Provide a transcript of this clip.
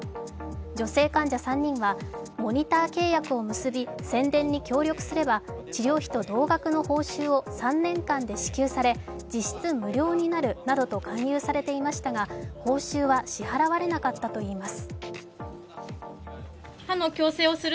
女性患者３人はモニター契約を結び宣伝に協力すれば治療費と同額の報酬を３年間で支給され実質無料になるなどと勧誘されていましたが、報酬は支払われなかったといいます。